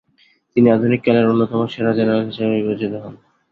তিনি আধুনিক কালের অন্যতম সেরা জেনারেল হিসাবে বিবেচিত হন।